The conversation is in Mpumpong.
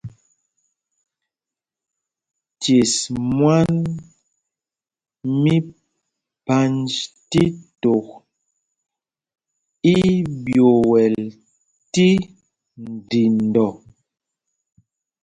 Ces mwân mí Panjtítok í í ɓyɛl tí ndindɔ.